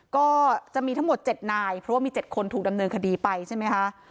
ก็จะมีทั้งหมด๗นายเพราะว่ามี๗คนถูกดำเนินคดีไปใช่ไหมคะ